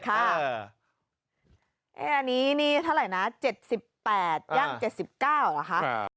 อันนี้นี่เท่าไหร่นะ๗๘ย่าง๗๙เหรอคะ